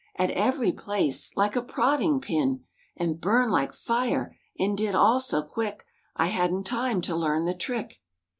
At every place like a prodding pin, And burned like fire and did all so quick I hadn't time to learn the trick."